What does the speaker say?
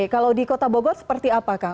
kalau di kota bogor seperti apakah